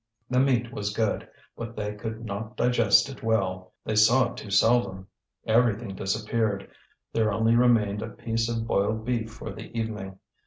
The meat was good, but they could not digest it well; they saw it too seldom. Everything disappeared; there only remained a piece of boiled beef for the evening.